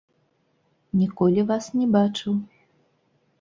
Ніколі вас не бачыў.